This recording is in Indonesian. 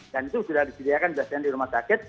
dan itu sudah disediakan jasanya di rumah sakit